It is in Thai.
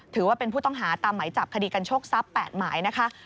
ถือว่าเป็นผู้ต้องหาตามหมายจับคดีกันโชคทรัพย์๘หมายนะคะ